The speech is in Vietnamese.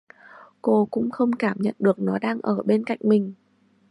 Cô cũng Không Cảm nhận được nó đang ở bên cạnh mình